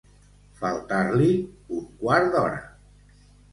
Faltar-li un quart d'hora.